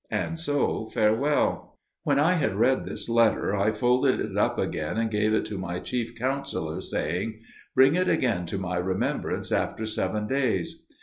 And so farewell." When I had read this letter, I folded it up again and gave it to my chief counsellor, saying, "Bring it again to my remembrance after seven days."